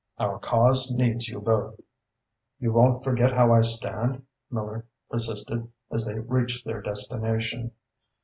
Our cause needs you both." "You won't forget how I stand?" Miller persisted, as they reached their destination.